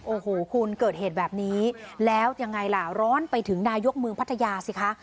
โอ้โหคุณเกิดเหตุแบบนี้แล้วยังไงล่ะร้อนไปถึงนายกเมืองพัทยาสิคะ